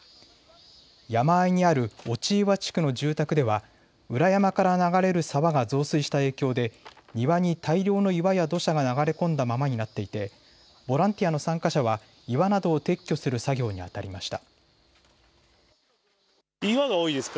山あいにある落岩地区の住宅では裏山から流れる沢が増水した影響で庭に大量の岩や土砂が流れ込んだままになっていてボランティアの参加者は岩などを撤去する作業にあたりました。